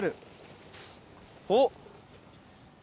おっ。